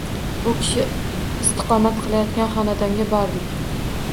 U kishi istiqomat qilayotgan xonadonga bordik